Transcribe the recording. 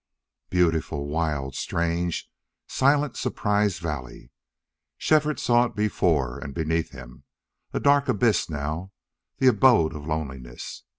Beautiful, wild, strange, silent Surprise Valley! Shefford saw it before and beneath him, a dark abyss now, the abode of loneliness.